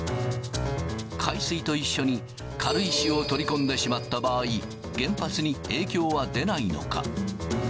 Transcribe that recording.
海水と一緒に軽石を取り込んでしまった場合、原発に影響は出ないのか。